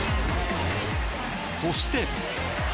そして。